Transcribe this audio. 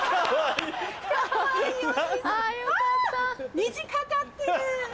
虹かかってる！